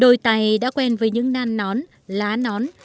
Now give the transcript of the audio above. đôi tay đã quen với những nan nón lá nón